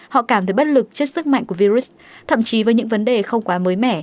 họ cảm thấy bất lực trước sức mạnh của virus thậm chí với những vấn đề không quá mới mẻ